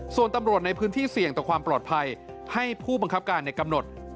ส่วนตำรวจในพื้นที่เสี่ยงต่อความปลอดภัยให้ผู้บังคับการในกำหนด